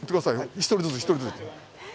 １人ずつ１人ずつ。